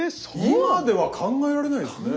今では考えられないですね。